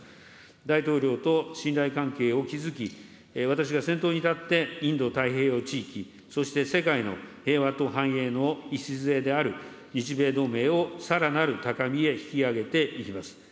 大統領と信頼関係を築き、私が先頭に立ってインド太平洋地域、そして世界の平和と繁栄の礎である日米同盟を、さらなる高みへ引き上げていきます。